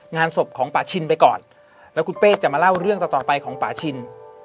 งานศพของป่าชินไปก่อนแล้วคุณเป้จะมาเล่าเรื่องต่อต่อไปของป่าชิน